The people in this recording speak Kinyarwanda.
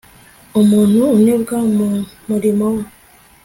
umuntu unebwa mu murimo we